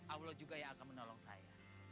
allah juga yang akan menolong saya